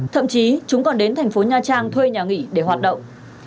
thậm chí chúng còn đến thành phố nha trang thuê nhà nghỉ để hoạt động